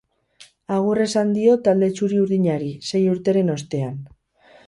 Agur esan dio talde txuri-urdinari, sei urteren ostean.